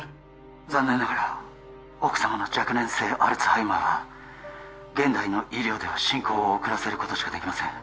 残念ながら奥様の若年性アルツハイマーは現代の医療では進行を遅らせることしかできません